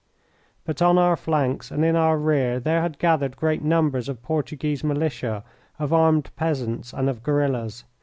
But on our flanks and in our rear there had gathered great numbers of Portuguese militia, of armed peasants, and of guerillas.